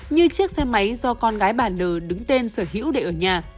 như chiếc xe máy do con gái bà nờ đứng tên sở hữu để ở nhà